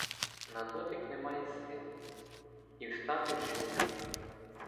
На дотик немає сил і встати вже ніяк